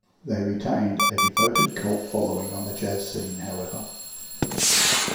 They retained a devoted cult following on the jazz scene, however.